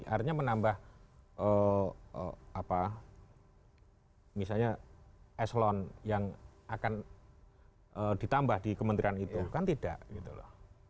artinya menambah apa misalnya eselon yang akan ditambah di kementerian itu kan tidak gitu loh